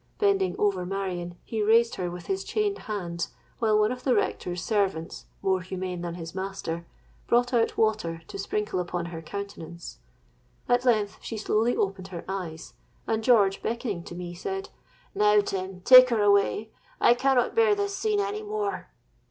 Bending over Marion, he raised her with his chained hands, while one of the rector's servants, more humane than his master, brought out water to sprinkle upon her countenance. At length she slowly opened her eyes; and George, beckoning to me, said, 'Now, Tim, take her away: I cannot bear this scene any more!'